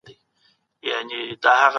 که مُلایان دي که یې چړیان دي